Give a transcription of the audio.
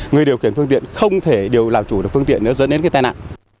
người điều khiển phương tiện không thể làm chủ được phương tiện nữa dẫn đến cái tai nạn